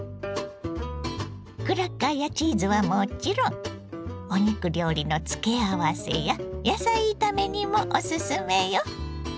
クラッカーやチーズはもちろんお肉料理の付け合わせや野菜炒めにもオススメよ！